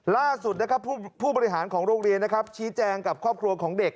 ล่าสุดนะครับผู้บริหารของโรงเรียนนะครับชี้แจงกับครอบครัวของเด็ก